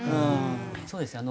そうですね